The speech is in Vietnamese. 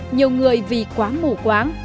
nhiều người vì quá mù quáng